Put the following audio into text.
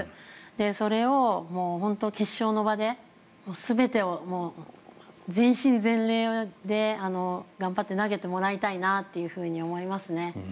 それを本当に決勝の場で全てを全身全霊で頑張って投げてもらいたいなと思いますね。